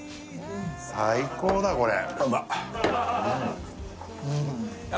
最高だこれ！